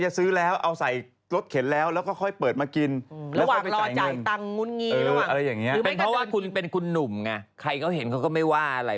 หมายความว่าโดนทั่วไปอะไรอย่างเงี้ยไม่หรอกคือไม่ใช่ไม่ใช่